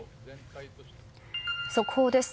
速報です。